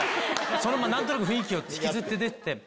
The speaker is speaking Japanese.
そのまま何となく雰囲気を引きずって出てて。